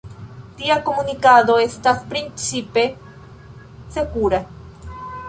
Tia komunikado estas principe sekura.